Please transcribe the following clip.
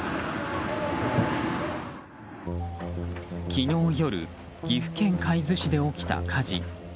昨日夜岐阜県海津市で起きた火事。